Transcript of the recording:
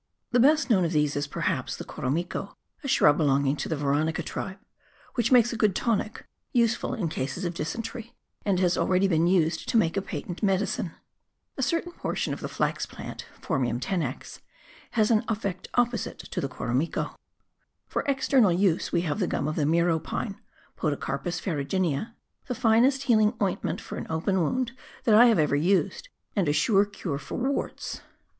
The best known of these is, perhaps, the koromiko, a shrub belonging to the veronica tribe, which makes a good tonic, useful in cases of dysentery, and has already been used to make a patent medicine. A certain portion of the flax plant {Phormium tenax) has an opposite effect to the koromiko. For external use, we have the gum of the miro pine (^Podocarpus ferrnginea), the finest healing ointment for an open wound that I have ever used, and a sure cure for warts.